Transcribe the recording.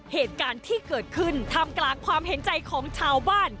เหตุการณ์ที่เกิดขึ้นทำกลางความเห็นใจของชาวบ้าน